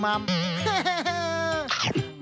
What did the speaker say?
เมื่อไรผมจะได้กินครับแม่ครับ